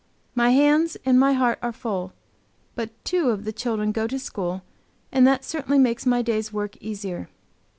My hands and my heart are full, but two of the children go to school, and that certainly makes my day's work easier.